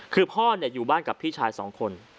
คือพ่ออยู่บ้านกับพี่ชายสองคน